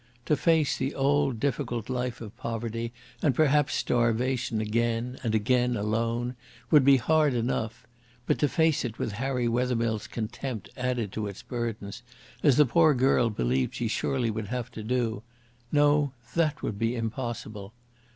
To face the old, difficult life of poverty and perhaps starvation again, and again alone, would be hard enough; but to face it with Harry Wethermill's contempt added to its burdens as the poor girl believed she surely would have to do no, that would be impossible!